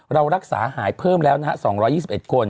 รักษาหายเพิ่มแล้วนะฮะ๒๒๑คน